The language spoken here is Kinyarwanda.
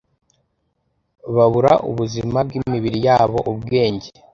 babura ubuzima bwimibiri yabo ubwenge